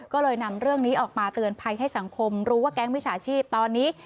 ก็เลยนำเรื่องนี้ออกมาเตือนภัยให้สังคมรู้ว่าแก๊งมิจฉาชีพตอนนี้